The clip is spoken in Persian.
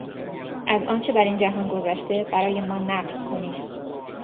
از آنچه بر این جهان گذشته برای ما نقل کنید!